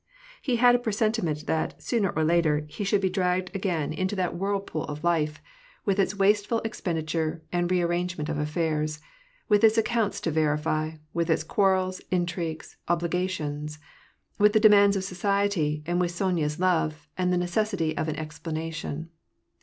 He had a presentiment that, sooner or later, he should be dragged again into that 243 244 ^AR AND PJSAClS. whirlpool of life : with its wasteful expenditure, and re arrange ment of affairs ; with its accounts to verify ; with its quarrels, intrigues, obligations ; with the demands of society, and with Sonya's love, and the necessity of an explanation.